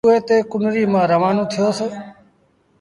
اُئي تي ڪنريٚ مآݩ روآنو ٿيو س۔